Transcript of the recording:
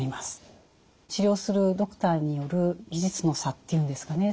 治療するドクターによる技術の差というんですかね